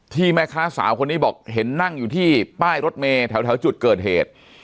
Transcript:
แม่ค้าสาวคนนี้บอกเห็นนั่งอยู่ที่ป้ายรถเมย์แถวจุดเกิดเหตุ